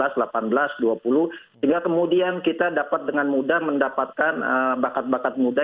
sehingga kemudian kita dapat dengan mudah mendapatkan bakat bakat muda